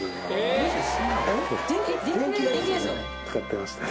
かかってましたね。